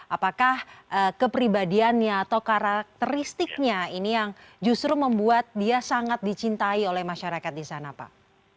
apakah kepribadiannya atau karakteristiknya ini yang justru membuat dia sangat dicintai oleh masyarakat di sana pak